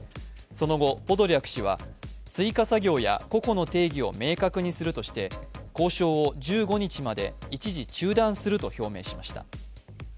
その後、ポドリャク氏は追加作業は個々の定義を明確にするとして交渉を１５日まで一時中断すると表明しました。